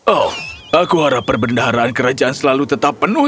oh aku harap perbendaharaan kerajaan selalu tetap penuh